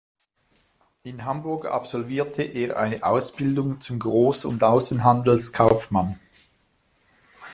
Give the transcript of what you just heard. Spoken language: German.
In Hamburg absolvierte er eine Ausbildung zum Groß- und Außenhandelskaufmann.